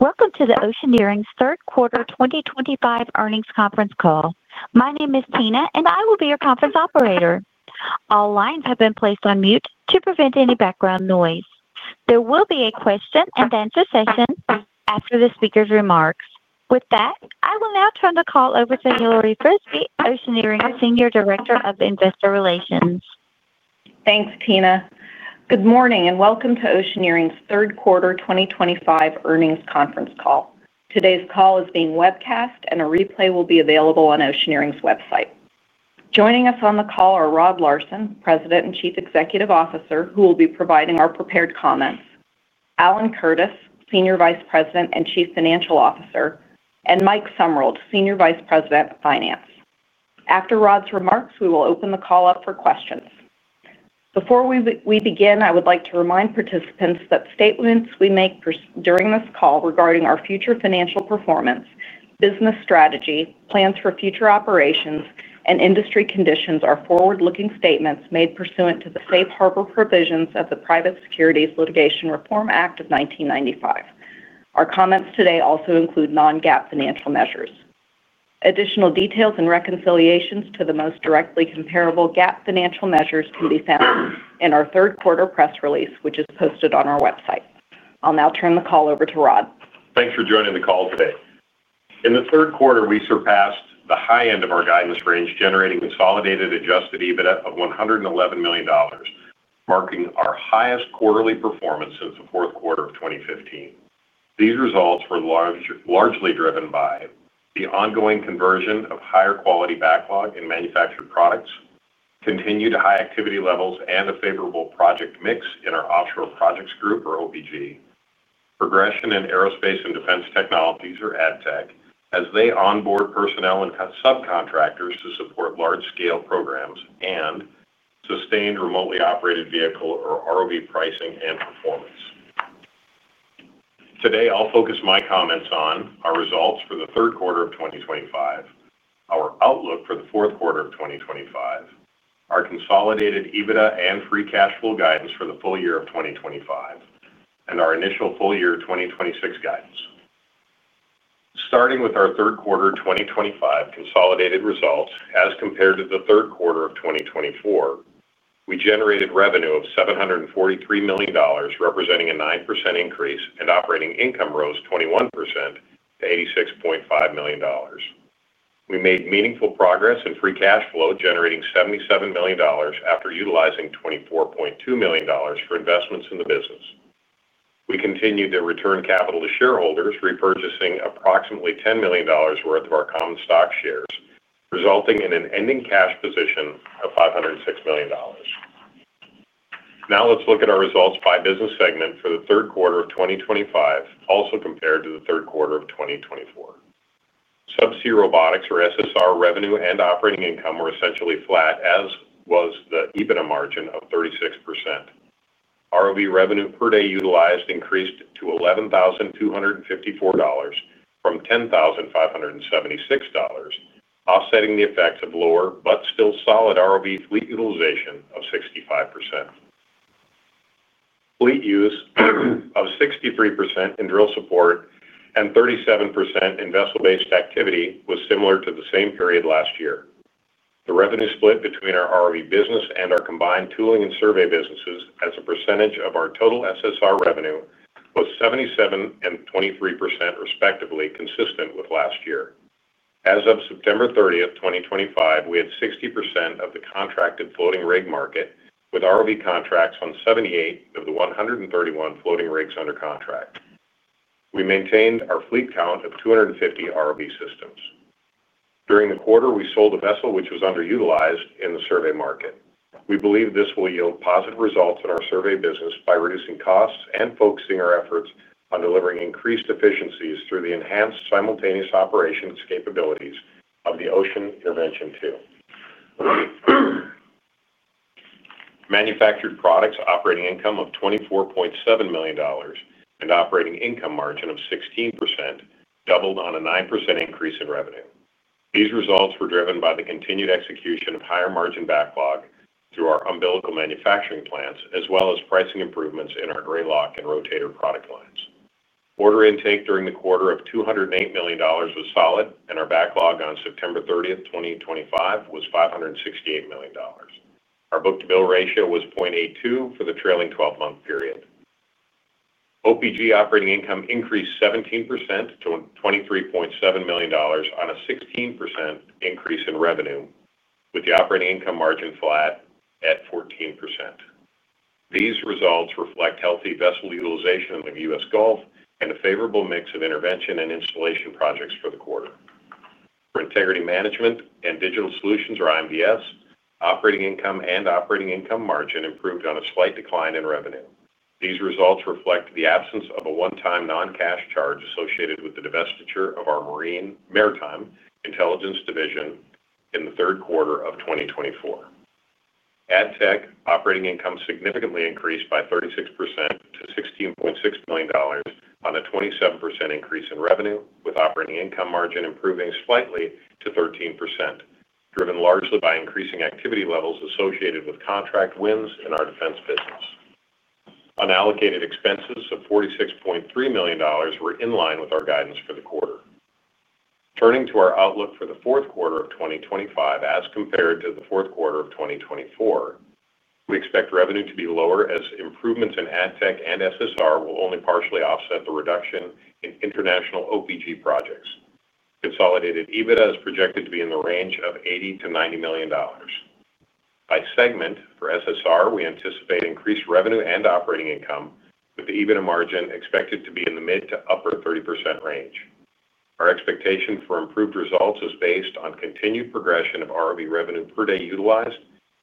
Welcome to Oceaneering International's third quarter 2025 earnings conference call. My name is Tina, and I will be your conference operator. All lines have been placed on mute to prevent any background noise. There will be a question and answer session after the speakers' remarks. With that, I will now turn the call over to Hilary Frisbie, Oceaneering's Senior Director of Investor Relations. Thanks, Tina. Good morning and welcome to Oceaneering International's third quarter 2025 earnings conference call. Today's call is being webcast, and a replay will be available on Oceaneering International's website. Joining us on the call are Rod Larson, President and Chief Executive Officer, who will be providing our prepared comments, Alan Curtis, Senior Vice President and Chief Financial Officer, and Mike Sumrold, Senior Vice President, Finance. After Rod's remarks, we will open the call up for questions. Before we begin, I would like to remind participants that statements we make during this call regarding our future financial performance, business strategy, plans for future operations, and industry conditions are forward-looking statements made pursuant to the Safe Harbor Provisions of the Private Securities Litigation Reform Act of 1995. Our comments today also include non-GAAP financial measures. Additional details and reconciliations to the most directly comparable GAAP financial measures can be found in our third quarter press release, which is posted on our website. I'll now turn the call over to Rod. Thanks for joining the call today. In the third quarter, we surpassed the high end of our guidance range, generating a consolidated adjusted EBITDA of $111 million, marking our highest quarterly performance since the fourth quarter of 2015. These results were largely driven by the ongoing conversion of higher quality backlog in manufactured products, continued high activity levels, and a favorable project mix in our Offshore Projects Group, or OPG. Progression in Aerospace and Defense Technologies, or AdTech, as they onboard personnel and subcontractors to support large-scale programs and sustained remotely operated vehicle, or ROV, pricing and performance. Today, I'll focus my comments on our results for the third quarter of 2025, our outlook for the fourth quarter of 2025, our consolidated EBITDA and free cash flow guidance for the full year of 2025, and our initial full year 2026 guidance. Starting with our third quarter 2025 consolidated results as compared to the third quarter of 2024, we generated revenue of $743 million, representing a 9% increase, and operating income rose 21% to $86.5 million. We made meaningful progress in free cash flow, generating $77 million after utilizing $24.2 million for investments in the business. We continued to return capital to shareholders, repurchasing approximately $10 million worth of our common stock shares, resulting in an ending cash position of $506 million. Now let's look at our results by business segment for the third quarter of 2025, also compared to the third quarter of 2024. Subsea Robotics, or SSR, revenue and operating income were essentially flat, as was the EBITDA margin of 36%. ROV revenue per day utilized increased to $11,254 from $10,576, offsetting the effects of lower but still solid ROV fleet utilization of 65%. Fleet use of 63% in drill support and 37% in vessel-based activity was similar to the same period last year. The revenue split between our ROV business and our combined tooling and survey businesses as a percentage of our total SSR revenue was 77% and 23% respectively, consistent with last year. As of September 30, 2025, we had 60% of the contracted floating rig market, with ROV contracts on 78 of the 131 floating rigs under contract. We maintained our fleet count of 250 ROV systems. During the quarter, we sold a vessel which was underutilized in the survey market. We believe this will yield positive results in our survey business by reducing costs and focusing our efforts on delivering increased efficiencies through the enhanced simultaneous operations capabilities of the Ocean Intervention II. Manufactured products operating income of $24.7 million and operating income margin of 16% doubled on a 9% increase in revenue. These results were driven by the continued execution of higher margin backlog through our umbilical manufacturing plants, as well as pricing improvements in our Grayloc and Rotator product lines. Order intake during the quarter of $208 million was solid, and our backlog on September 30, 2025, was $568 million. Our book-to-bill ratio was 0.82 for the trailing 12-month period. OPG operating income increased 17% to $23.7 million on a 16% increase in revenue, with the operating income margin flat at 14%. These results reflect healthy vessel utilization in the U.S. Gulf and a favorable mix of intervention and installation projects for the quarter. For Integrity Management and Digital Solutions, or IMDS, operating income and operating income margin improved on a slight decline in revenue. These results reflect the absence of a one-time non-cash charge associated with the divestiture of our Marine Maritime Intelligence Division in the third quarter of 2024. AdTech operating income significantly increased by 36% to $16.6 million on a 27% increase in revenue, with operating income margin improving slightly to 13%, driven largely by increasing activity levels associated with contract wins in our defense business. Unallocated expenses of $46.3 million were in line with our guidance for the quarter. Turning to our outlook for the fourth quarter of 2025 as compared to the fourth quarter of 2024, we expect revenue to be lower as improvements in AdTech and SSR will only partially offset the reduction in international OPG projects. Consolidated EBITDA is projected to be in the range of $80 million-$90 million. By segment for SSR, we anticipate increased revenue and operating income, with the EBITDA margin expected to be in the mid to upper 30% range. Our expectation for improved results is based on continued progression of ROV revenue per day utilized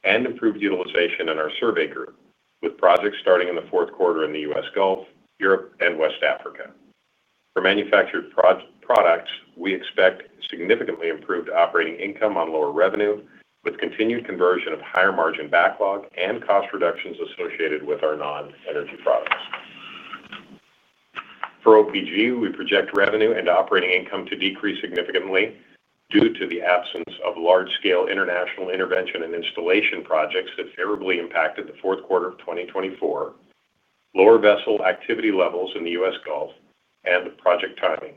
and improved utilization in our survey group, with projects starting in the fourth quarter in the U.S. Gulf, Europe, and West Africa. For manufactured products, we expect significantly improved operating income on lower revenue, with continued conversion of higher margin backlog and cost reductions associated with our non-energy products. For OPG, we project revenue and operating income to decrease significantly due to the absence of large-scale international intervention and installation projects that favorably impacted the fourth quarter of 2024, lower vessel activity levels in the U.S. Gulf, and the project timing.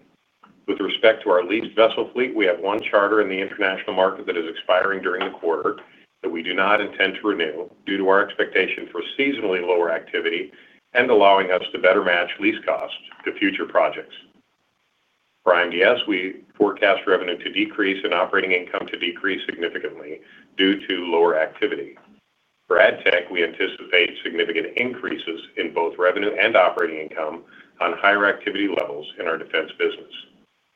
With respect to our leased vessel fleet, we have one charter in the international market that is expiring during the quarter that we do not intend to renew due to our expectation for seasonally lower activity and allowing us to better match lease costs to future projects. For IMDS, we forecast revenue to decrease and operating income to decrease significantly due to lower activity. For AdTech, we anticipate significant increases in both revenue and operating income on higher activity levels in our defense business.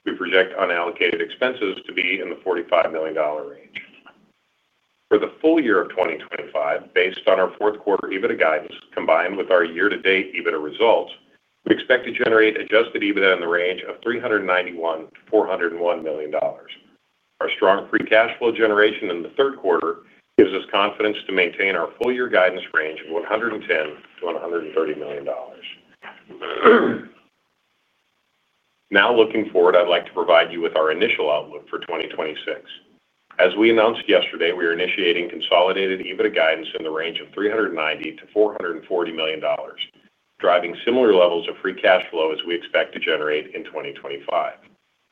We project unallocated expenses to be in the $45 million range. For the full year of 2025, based on our fourth quarter EBITDA guidance combined with our year-to-date EBITDA results, we expect to generate adjusted EBITDA in the range of $391 to $401 million. Our strong free cash flow generation in the third quarter gives us confidence to maintain our full-year guidance range of $110 million-$130 million. Now looking forward, I'd like to provide you with our initial outlook for 2026. As we announced yesterday, we are initiating consolidated EBITDA guidance in the range of $390 to $440 million, driving similar levels of free cash flow as we expect to generate in 2025.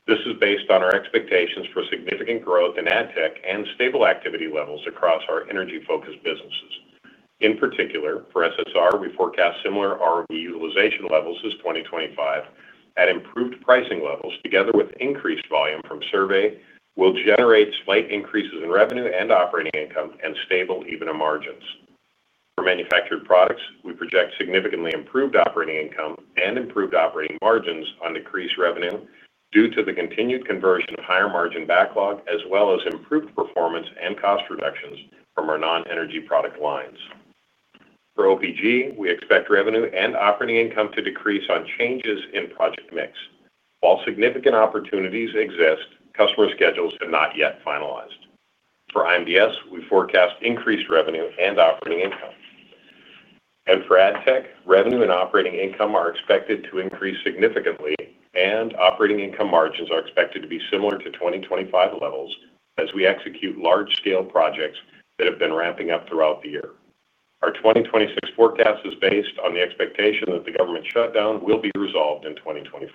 This is based on our expectations for significant growth in AdTech and stable activity levels across our energy-focused businesses. In particular, for SSR, we forecast similar ROV utilization levels as 2025 at improved pricing levels, together with increased volume from survey, will generate slight increases in revenue and operating income and stable EBITDA margins. For manufactured products, we project significantly improved operating income and improved operating margins on decreased revenue due to the continued conversion of higher margin backlog, as well as improved performance and cost reductions from our non-energy product lines. For OPG, we expect revenue and operating income to decrease on changes in project mix. While significant opportunities exist, customer schedules have not yet finalized. For IMDS, we forecast increased revenue and operating income. For AdTech, revenue and operating income are expected to increase significantly, and operating income margins are expected to be similar to 2025 levels as we execute large-scale projects that have been ramping up throughout the year. Our 2026 forecast is based on the expectation that the government shutdown will be resolved in 2025.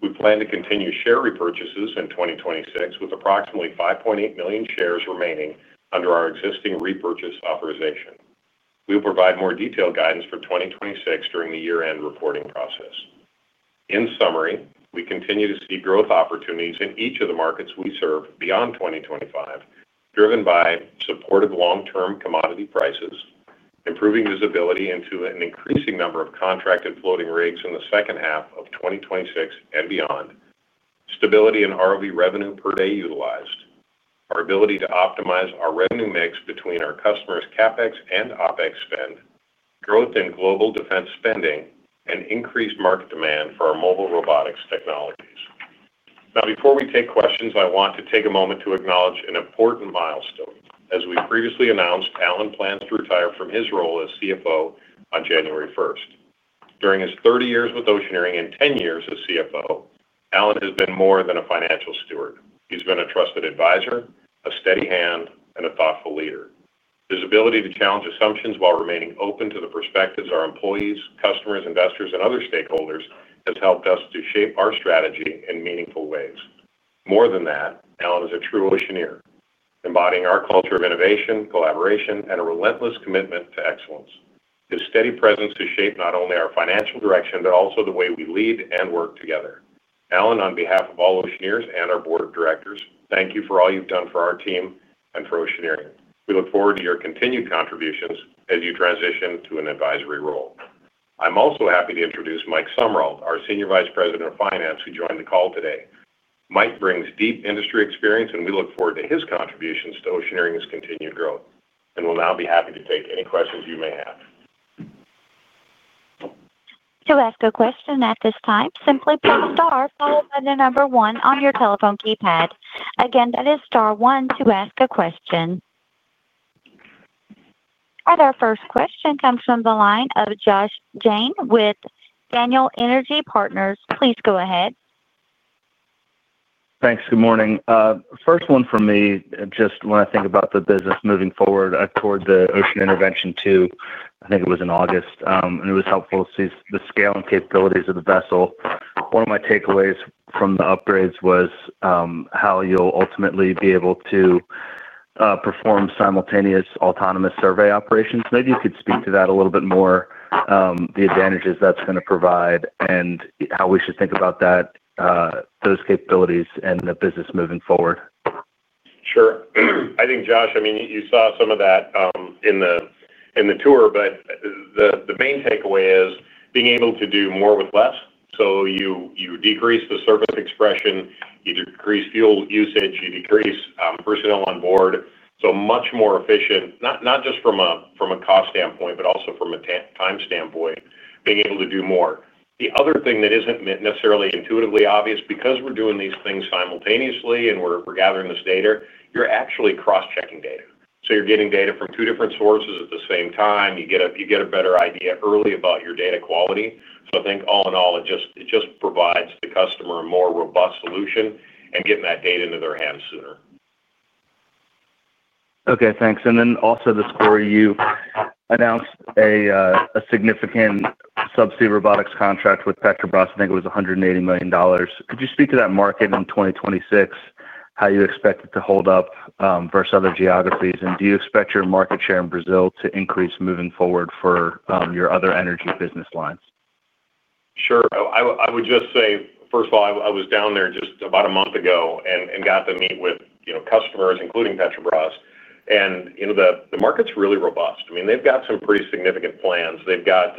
We plan to continue share repurchases in 2026, with approximately 5.8 million shares remaining under our existing repurchase authorization. We'll provide more detailed guidance for 2026 during the year-end reporting process. In summary, we continue to see growth opportunities in each of the markets we serve beyond 2025, driven by supportive long-term commodity prices, improving visibility into an increasing number of contracted floating rigs in the second half of 2026 and beyond, stability in ROV revenue per day utilized, our ability to optimize our revenue mix between our customers' CapEx and OpEx spend, growth in global defense spending, and increased market demand for our mobile robotics technologies. Before we take questions, I want to take a moment to acknowledge an important milestone. As we previously announced, Alan plans to retire from his role as CFO on January 1. During his 30 years with Oceaneering International and 10 years as CFO, Alan has been more than a financial steward. He's been a trusted advisor, a steady hand, and a thoughtful leader. His ability to challenge assumptions while remaining open to the perspectives of our employees, customers, investors, and other stakeholders has helped us to shape our strategy in meaningful ways. More than that, Alan is a true Oceaneer, embodying our culture of innovation, collaboration, and a relentless commitment to excellence. His steady presence has shaped not only our financial direction but also the way we lead and work together. Alan, on behalf of all Oceaneers and our board of directors, thank you for all you've done for our team and for Oceaneering International. We look forward to your continued contributions as you transition to an advisory role. I'm also happy to introduce Mike Sumrold, our Senior Vice President of Finance, who joined the call today. Mike brings deep industry experience, and we look forward to his contributions to Oceaneering International's continued growth. We'll now be happy to take any questions you may have. To ask a question at this time, simply press star followed by the number one on your telephone keypad. Again, that is star one to ask a question. Our first question comes from the line of Josh Jane with Daniel Energy Partners. Please go ahead. Thanks. Good morning. First one from me, just when I think about the business moving forward toward the Ocean Intervention II, I think it was in August. It was helpful to see the scale and capabilities of the vessel. One of my takeaways from the upgrades was how you'll ultimately be able to perform simultaneous autonomous survey operations. Maybe you could speak to that a little bit more, the advantages that's going to provide and how we should think about that, those capabilities and the business moving forward. Sure. I think, Josh, you saw some of that in the tour, but the main takeaway is being able to do more with less. You decrease the surface expression, you decrease fuel usage, you decrease personnel on board. Much more efficient, not just from a cost standpoint, but also from a time standpoint, being able to do more. The other thing that isn't necessarily intuitively obvious, because we're doing these things simultaneously and we're gathering this data, you're actually cross-checking data. You're getting data from two different sources at the same time. You get a better idea early about your data quality. I think all in all, it just provides the customer a more robust solution and getting that data into their hands sooner. Okay. Thanks. This quarter, you announced a significant subsea robotics contract with Petrobras. I think it was $180 million. Could you speak to that market in 2026, how you expect it to hold up versus other geographies? Do you expect your market share in Brazil to increase moving forward for your other energy business lines? Sure. I would just say, first of all, I was down there just about a month ago and got to meet with, you know, customers, including Petrobras. The market's really robust. I mean, they've got some pretty significant plans. They've got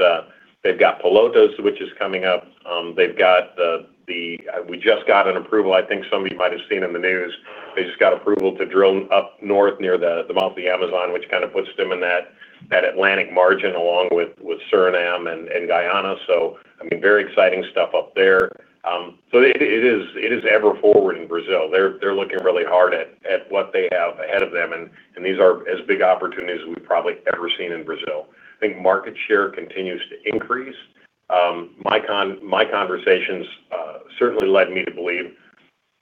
Pelotos, which is coming up. They just got an approval, I think some of you might have seen in the news, they just got approval to drill up north near the mouth of the Amazon, which kind of puts them in that Atlantic margin along with Suriname and Guyana. I mean, very exciting stuff up there. It is ever forward in Brazil. They're looking really hard at what they have ahead of them. These are as big opportunities as we've probably ever seen in Brazil. I think market share continues to increase. My conversations certainly led me to believe,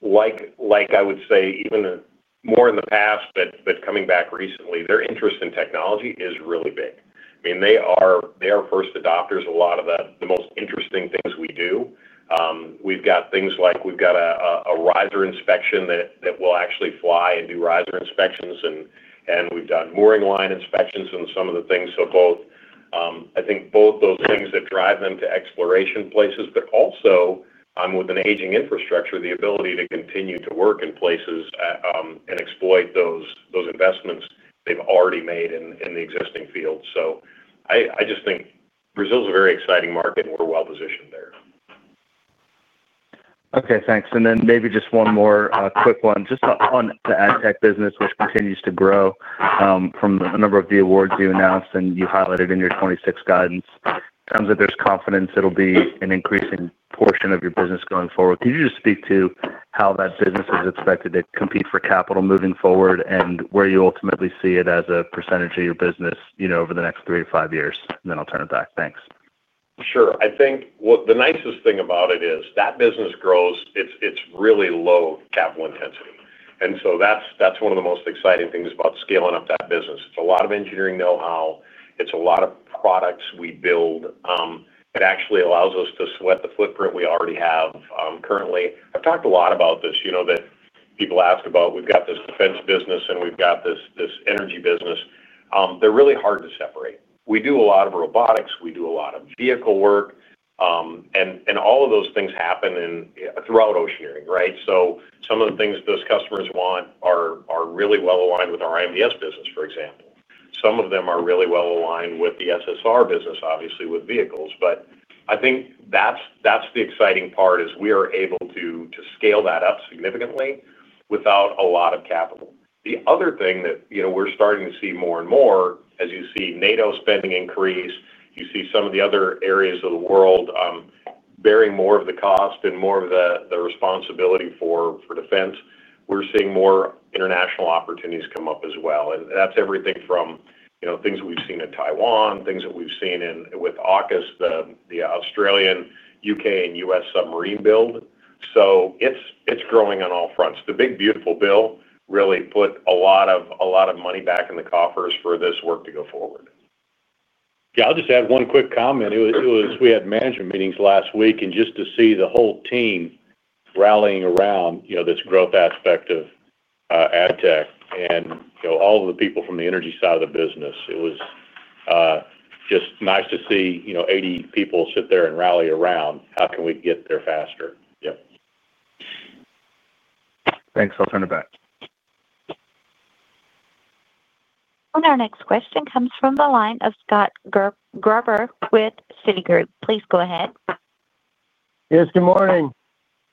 like I would say even more in the past, but coming back recently, their interest in technology is really big. I mean, they are first adopters of a lot of the most interesting things we do. We've got things like a riser inspection that will actually fly and do riser inspections. We've done mooring line inspections on some of the things. Both those things drive them to exploration places, but also, with an aging infrastructure, the ability to continue to work in places and exploit those investments they've already made in the existing field. I just think Brazil is a very exciting market and we're well positioned there. Okay. Thanks. Maybe just one more, quick one, just on the AdTech business, which continues to grow, from a number of the awards you announced and you highlighted in your 2026 guidance. It sounds like there's confidence it'll be an increasing portion of your business going forward. Could you just speak to how that business is expected to compete for capital moving forward and where you ultimately see it as a percentage of your business, you know, over the next three to five years? I'll turn it back. Thanks. Sure. I think what the nicest thing about it is that business grows, it's really low capital intensity, and that's one of the most exciting things about scaling up that business. It's a lot of engineering know-how. It's a lot of products we build. It actually allows us to sweat the footprint we already have. Currently, I've talked a lot about this, you know, that people ask about, we've got this defense business and we've got this energy business. They're really hard to separate. We do a lot of robotics. We do a lot of vehicle work, and all of those things happen throughout Oceaneering International, right? Some of the things those customers want are really well aligned with our IMDS business, for example. Some of them are really well aligned with the SSR business, obviously, with vehicles. I think that's the exciting part, we are able to scale that up significantly without a lot of capital. The other thing that we're starting to see more and more, as you see NATO spending increase, you see some of the other areas of the world bearing more of the cost and more of the responsibility for defense, we're seeing more international opportunities come up as well. That's everything from things we've seen in Taiwan, things that we've seen with AUKUS, the Australian, U.K., and U.S. submarine build. It's growing on all fronts. The big beautiful build really put a lot of money back in the coffers for this work to go forward. Yeah. I'll just add one quick comment. We had management meetings last week, and just to see the whole team rallying around this growth aspect of AdTech and all of the people from the energy side of the business, it was just nice to see 80 people sit there and rally around, how can we get there faster? Yep. Thanks. I'll turn it back. Our next question comes from the line of Scott Gruber with Citigroup. Please go ahead. Yes, good morning.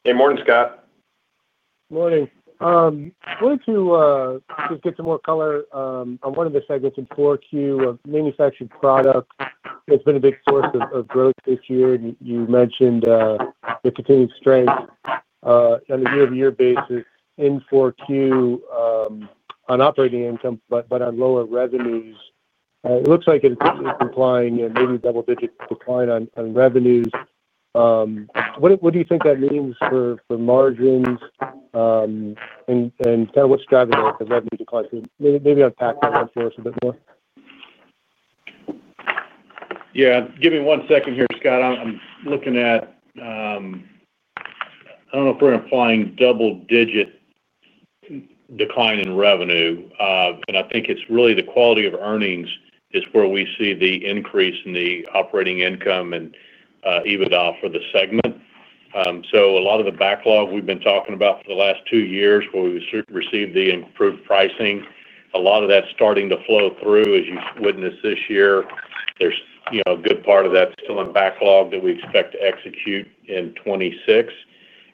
Hey, morning, Scott. Morning. I wanted to get some more color on one of the segments in 4Q of manufactured products. It's been a big source of growth this year. You mentioned the continued strength on a year-over-year basis in 4Q on operating income, but on lower revenues. It looks like it's implying a maybe double-digit decline on revenues. What do you think that means for margins, and what's driving the revenue decline? Maybe unpack that one for us a bit more. Yeah. Give me one second here, Scott. I'm looking at, I don't know if we're implying double-digit decline in revenue. I think it's really the quality of earnings is where we see the increase in the operating income and EBITDA for the segment. A lot of the backlog we've been talking about for the last two years where we received the improved pricing, a lot of that's starting to flow through as you witnessed this year. There's a good part of that still in backlog that we expect to execute in 2026.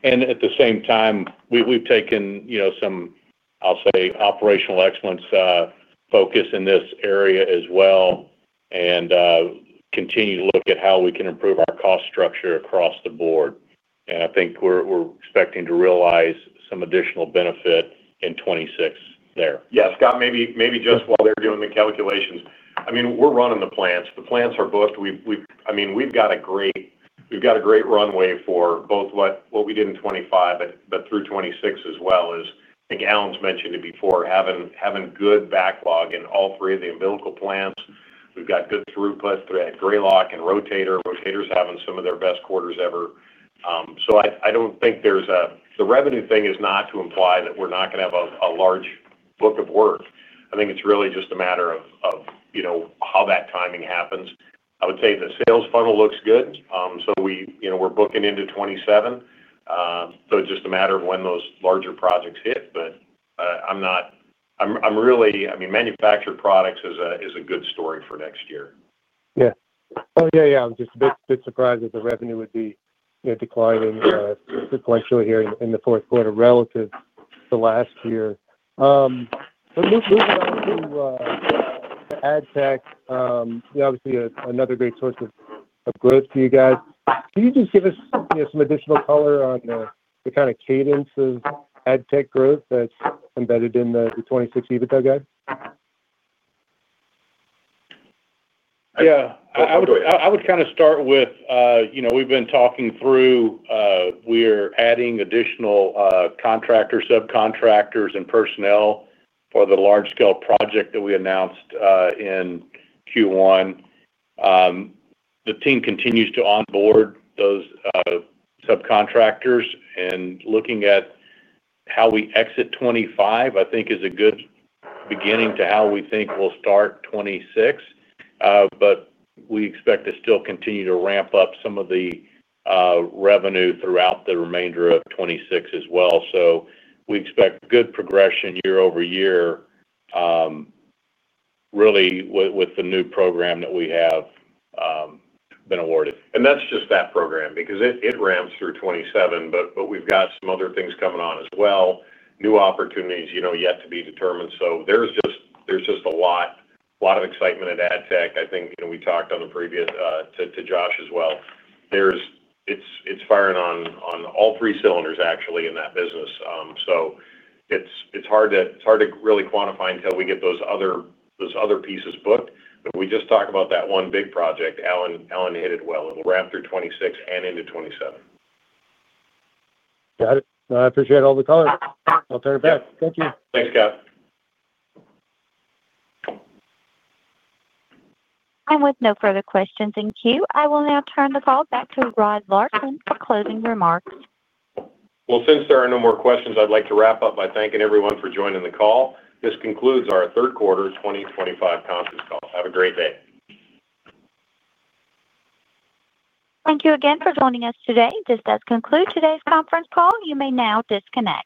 At the same time, we've taken some, I'll say, operational excellence focus in this area as well and continue to look at how we can improve our cost structure across the board. I think we're expecting to realize some additional benefit in 2026 there. Yeah. Scott, maybe just while they're doing the calculations, we're running the plants. The plants are booked. We've got a great runway for both what we did in 2025 but through 2026 as well. I think Alan's mentioned it before, having good backlog in all three of the umbilical plants. We've got good throughputs at Grayloc and Rotator. Rotator is having some of their best quarters ever. I don't think the revenue thing is to imply that we're not going to have a large book of work. I think it's really just a matter of how that timing happens. I would say the sales funnel looks good. We're booking into 2027. It's just a matter of when those larger projects hit. I'm really, I mean, manufactured products is a good story for next year. Yeah. I'm just a bit surprised that the revenue would be, you know, declining sequentially here in the fourth quarter relative to last year. Moving on to AdTech, you know, obviously another great source of growth for you guys. Can you just give us, you know, some additional color on the kind of cadence of AdTech growth that's embedded in the 2026 EBITDA guide? Yeah. I would kind of start with, you know, we've been talking through, we are adding additional contractors, subcontractors, and personnel for the large-scale project that we announced in Q1. The team continues to onboard those subcontractors. Looking at how we exit 2025, I think is a good beginning to how we think we'll start 2026. We expect to still continue to ramp up some of the revenue throughout the remainder of 2026 as well. We expect good progression year over year, really with the new program that we have been awarded. That's just that program because it ramps through 2027, but we've got some other things coming on as well. New opportunities, yet to be determined. There's just a lot of excitement at AdTech. I think we talked on the previous, to Josh as well. It's firing on all three cylinders, actually, in that business. It's hard to really quantify until we get those other pieces booked. We just talked about that one big project. Alan hit it well. It'll ramp through 2026 and into 2027. Got it. No, I appreciate all the color. I'll turn it back. Thank you. Thanks, Scott. I'm with no further questions in queue. I will now turn the call back to Rod Larson for closing remarks. Since there are no more questions, I'd like to wrap up by thanking everyone for joining the call. This concludes our third quarter 2025 conference call. Have a great day. Thank you again for joining us today. This does conclude today's conference call. You may now disconnect.